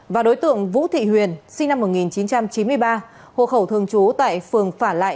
và đối tượng vũ thị huyền sinh năm một nghìn chín trăm chín mươi ba hộ khẩu thường trú tại phường phả lại